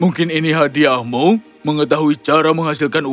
mungkin ini hadiahmu mengetahui cara menghasilkan uang